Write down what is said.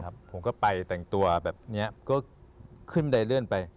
ผมก็ไปแต่งตัวแบบนี้ก็ขึ้นบันไดเลื่อนไป